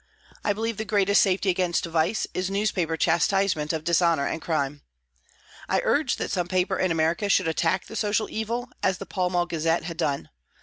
I believe the greatest safety against vice is newspaper chastisement of dishonour and crime. I urged that some paper in America should attack the social evil, as the Pall Mall Gazette had done.